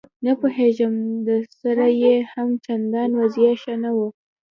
نه پوهېږم ده سره یې هم چندان وضعه ښه نه وه.